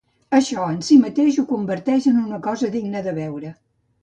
Això, en si mateix, ho converteix en una cosa digna de veure.